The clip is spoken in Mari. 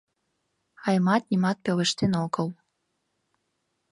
Аймат нимат пелештен огыл.